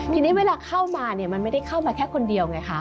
ทีนี้เวลาเข้ามาเนี่ยมันไม่ได้เข้ามาแค่คนเดียวไงคะ